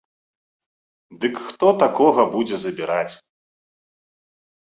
Дык хто такога будзе забіраць.